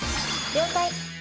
「了解！」